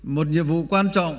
một nhiệm vụ quan trọng